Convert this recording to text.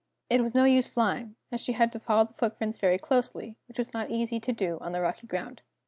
It was no use flying, as she had to follow the footprints very closely, which was not easy to do on the rocky ground.